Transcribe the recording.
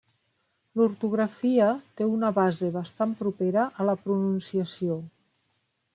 L'ortografia té una base bastant propera a la pronunciació.